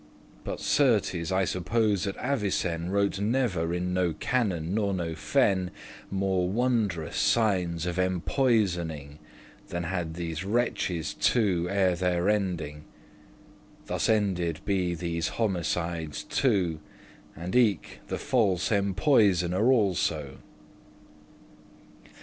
*died But certes I suppose that Avicen Wrote never in no canon, nor no fen, <28> More wondrous signes of empoisoning, Than had these wretches two ere their ending. Thus ended be these homicides two, And eke the false empoisoner also.